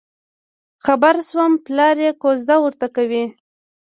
خبر شوم پلار یې کوزده ورته کوي.